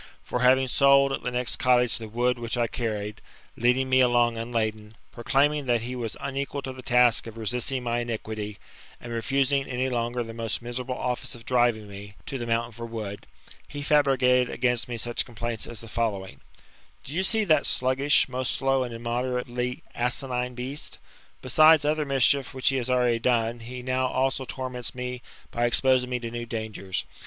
For having sold at the next cottage the wood which I carried, leading me along unladen, proclaiming that he was unequal to the task of Resist ing my iniquity, and refusing any longer the most miserable office of driving me [to the mountain for wood], he fabricated against me such complaints as the following :Do you see that sluggish, most slow, and immoderately asinine beast ? Besides other mischief which he has already done, he now also torments me by exposing me to new dangers.